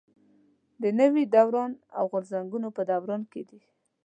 د نوي دوران او غورځنګونو په دوران کې دي.